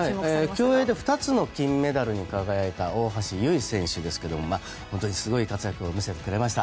競泳で２つの金メダルに輝いた大橋悠依選手ですが本当にすごい活躍を見せてくれました。